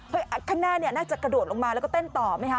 ข้างหน้าเนี่ยน่าจะกระโดดลงมาแล้วก็เต้นต่อไหมคะ